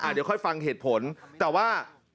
เดี๋ยวค่อยฟังเหตุผลแต่ว่า